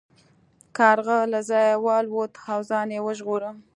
کارغه له ځایه والوت او ځان یې وژغوره.